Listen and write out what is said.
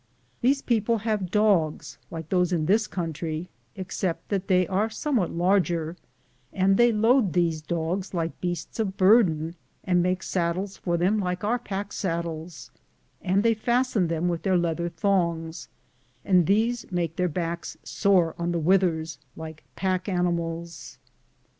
These people have dogs like those in this 104 am Google THE JOURNEY OP COHONADO country, except that they are somewhat larger, and they load these dogs like beasts of burden, and make saddles for them like our pack saddles, and they fasten them with their leather thongs, and these make their backs sore on the withers like pack animals.